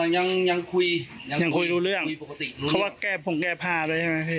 ยังคุยปกติยังรู้เรื่องเขาว่าแก้ผงแก้พาด้วยใช่ไหมพี่